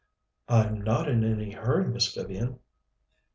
"I'm not in any hurry, Miss Vivian."